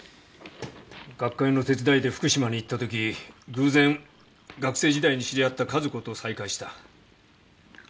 学会の手伝いで福島に行ったとき偶然学生時代に知り合った加寿子と再会した。